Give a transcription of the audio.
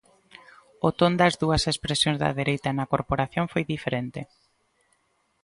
O ton das dúas expresións da dereita na corporación foi diferente.